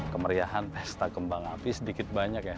kemeriahan pesta kembang api sedikit banyak ya